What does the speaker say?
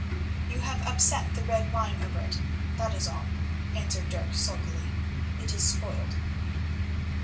"You have upset the red wine over it, that is all," answered Dirk, sulkily. "It is spoiled."